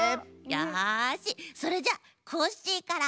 よしそれじゃコッシーから！